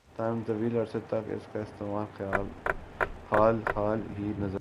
تاہم ، طویل عرصے تک اس کا استعمال خال خال ہی نظر آیا